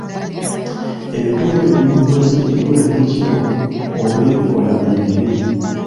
Ebitundu ebimu biweze ebiduula by'ekiro olw'ebikola ebibi.